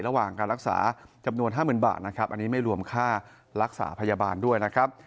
ระหว่างการรักษาจำนวน๕๐๐๐บาทนะครับอันนี้ไม่รวมค่ารักษาพยาบาลด้วยนะครับ